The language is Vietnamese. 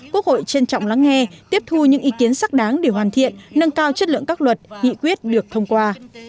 quốc hội trân trọng lắng nghe tiếp thu những ý kiến sắc đáng để hoàn thiện nâng cao chất lượng các luật nghị quyết được thông qua